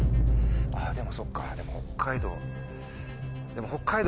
あぁでもそっかでも北海道。